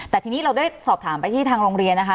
แต่ทีนี้เราได้สอบถามไปที่ทางโรงเรียนนะคะ